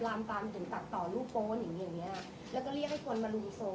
ลามตามถึงตัดต่อรูปโป๊อย่างเงี้ยแล้วก็เรียกให้คนมารุมโทรม